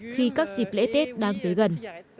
khi các dịp lễ tết đang tới gần